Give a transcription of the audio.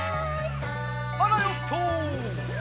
あらヨット！